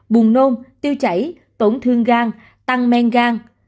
buồn nôn tiêu chảy tổn thương gan tăng men gan